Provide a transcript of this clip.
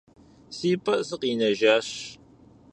Си пӀэ сыкъинэжащ.